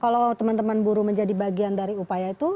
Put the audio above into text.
kalau teman teman buruh menjadi bagian dari upaya itu